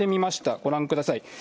ご覧ください。